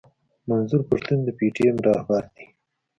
منظور پښتين د پي ټي ايم راهبر دی.